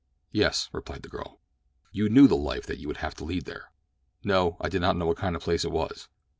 "Yes," replied the girl. "You knew the life that you would have to lead there?" "No; I did not know what kind of place it was."